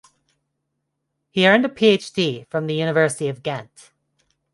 He earned a Ph.D. from the University of Ghent.